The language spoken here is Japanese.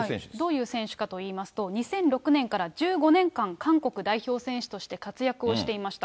どういう選手かといいますと、２００６年から１５年間、韓国代表選手として活躍をしていました。